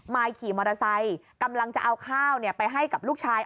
ขี่มอเตอร์ไซค์กำลังจะเอาข้าวไปให้กับลูกชาย